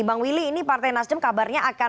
bang willy ini partai nasdem kabarnya akan